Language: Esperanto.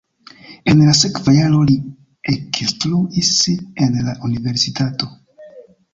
En la sekva jaro li ekinstruis en la universitato.